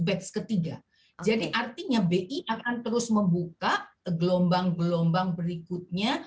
batch ketiga jadi artinya bi akan terus membuka gelombang gelombang berikutnya